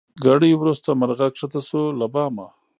ګړی وروسته مرغه کښته سو له بامه